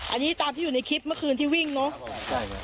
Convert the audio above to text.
อันนี้ตามที่อยู่ในคลิปเมื่อคืนที่วิ่งเนอะ